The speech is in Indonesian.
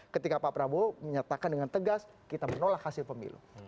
ketika pak prabowo menyatakan dengan tegas kita menolak hasil pemilu